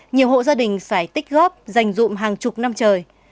nhiều hộ gia đình phải tích góp dành dụng hàng chục năm trời